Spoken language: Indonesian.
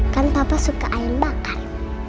kan papa suka air bakar